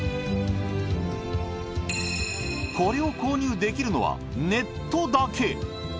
これを購入できるのはネットだけ。